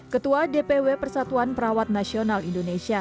ketua dpw persatuan perawat nasional indonesia